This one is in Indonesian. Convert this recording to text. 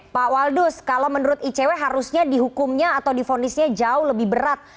pak waldus kalau menurut icw harusnya dihukumnya atau difonisnya jauh lebih berat